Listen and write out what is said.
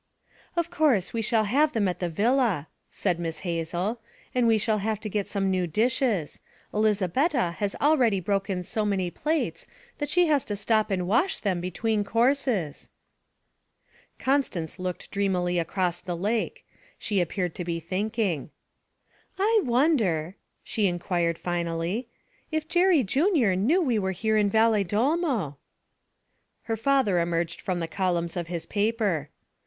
'Of course we shall have them at the villa,' said Miss Hazel. 'And we shall have to get some new dishes. Elizabetta has already broken so many plates that she has to stop and wash them between courses.' Constance looked dreamily across the lake; she appeared to be thinking. 'I wonder,' she inquired finally, 'if Jerry Junior knew we were here in Valedolmo?' Her father emerged from the columns of his paper.